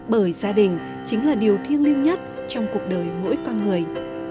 bởi gia đình chính là điều thiêng liêng nhất trong cuộc đời mỗi con người